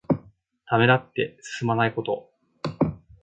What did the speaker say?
ためらって進まないこと。